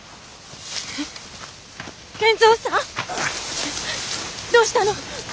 えっ賢三さん！どうしたの？